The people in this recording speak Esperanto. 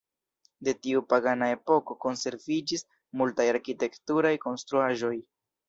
De tiu pagana epoko konserviĝis multaj arkitekturaj konstruaĵoj.